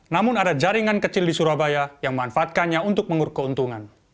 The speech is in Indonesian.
namun ada jaringan kecil di surabaya yang memanfaatkannya untuk mengurus keuntungan